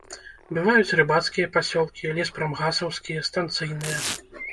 Бываюць рыбацкія пасёлкі, леспрамгасаўскія, станцыйныя.